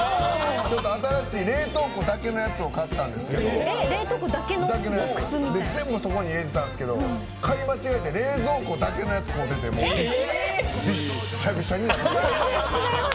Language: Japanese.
新しい冷凍庫だけのやつを買ったんですけど全部、そこに入れてたんですけど冷蔵庫のほうを買うててびっしゃびしゃになった。